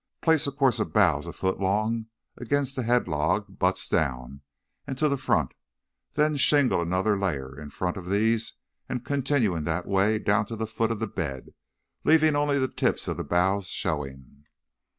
"Place a course of boughs a foot long against the head log, butts down and to the front, then shingle another layer in front of these and continue in that way down to the foot of the bed, leaving only the tips of the boughs showing."